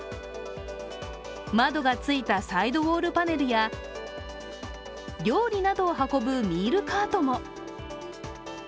窓がついたサイドウオールパネルや料理などを運ぶミールカートも。